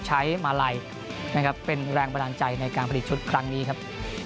มาลัยนะครับเป็นแรงบันดาลใจในการผลิตชุดครั้งนี้ครับ